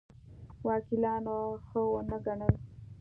وکیلانو ښه ونه ګڼل.